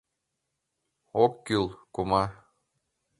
— Ок кӱл, кума...